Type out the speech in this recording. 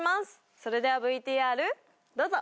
それではＶＴＲどうぞ！